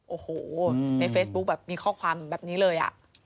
โอ้โหในเฟซบุ๊คแบบมีข้อความแบบนี้เลย